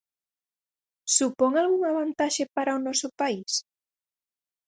¿Supón algunha vantaxe para o noso país?